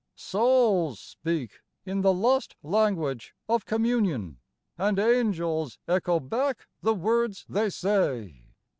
Souls speak in the lost language of communion, And angels echo back the words they say.